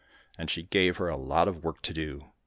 " and she gave her a lot of work to do.